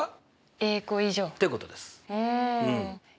ということです。